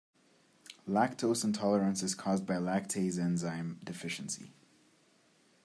Lactose intolerance is caused by a lactase enzyme deficiency.